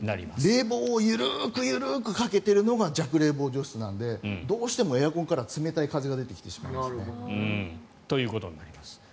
冷房を緩く緩くかけているのが弱冷房除湿なのでどうしてもエアコンからは冷たい風が出てきてしまうんですね。ということなわけです。